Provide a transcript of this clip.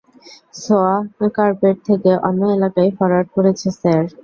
সোয়াকার্পেট থেকে অন্য এলাকায় ফরোয়ার্ড করেছে, স্যার।